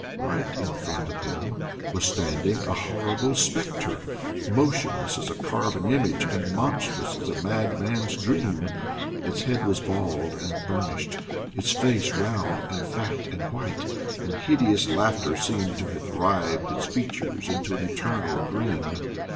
Right in front of him was standing a horrible specter, motionless as a carven image, and monstrous as a madman's dream! Its head was bald and burnished; its face round, and fat, and white; and hideous laughter seemed to have writhed its features into an eternal grin.